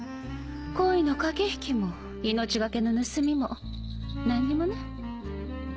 恋の駆け引きも命懸けの盗みも何にもね。